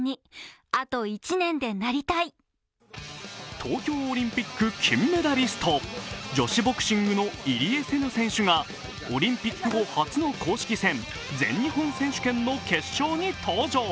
東京オリンピック金メダリスト、女子ボクシングの入江聖奈選手がオリンピック後初の公式戦、全日本選手権の決勝に登場。